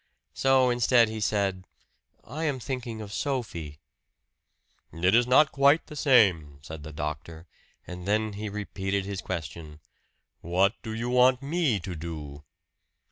So instead he said, "I am thinking of Sophie." "It is not quite the same," said the doctor; and then he repeated his question, "What do you want me to do?"